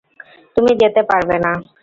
তুমি যেতে পারবে না।